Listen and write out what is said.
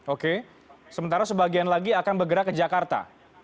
oke sementara sebagian lagi akan bergerak ke jakarta